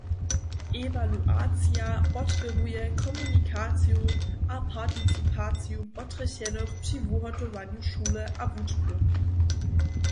Ewaluacija podpěruje komunikaciju a participaciju potrjechenych při wuhotowanju šule a wučby.